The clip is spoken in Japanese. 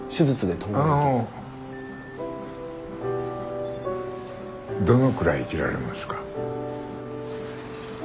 どのくらい生きられますか？